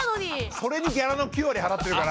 それにギャラの９割払ってるから。